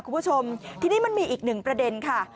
คุณผู้ชมทีนี้มันมีอีกหนึ่งประเด็นค่ะ